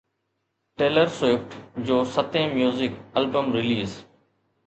tailor Swift جو ستين music album release